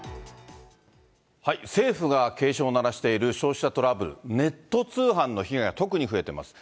政府が警鐘を鳴らしている消費者トラブル、ネット通販の被害が特に増えてます。